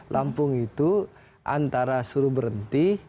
lampung itu antara suruh berhenti